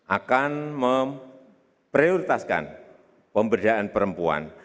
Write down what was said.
akan memprioritaskan pemberdayaan perempuan